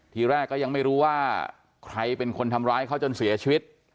ทีแรกก็ยังไม่รู้ว่าใครเป็นคนทำร้ายเขาจนเสียชีวิต